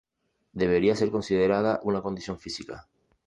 Debería ser considerada una condición física.